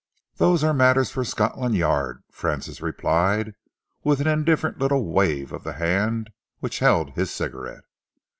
"Those are matters for Scotland Yard," Francis replied, with an indifferent little wave of the hand which held his cigarette.